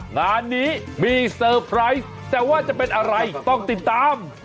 งานนี้มีเซอร์ไพรส์แต่ว่าจะเป็นอะไรต้องติดตาม